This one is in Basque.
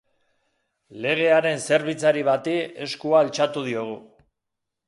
Legearen zerbitzari bati eskua altxatu diogu.